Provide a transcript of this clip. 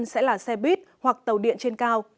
sẽ là xe buýt hoặc tàu điện trên cao